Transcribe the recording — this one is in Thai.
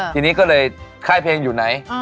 ทีนี้ก็เลยค่ายเพลงอยู่ไหน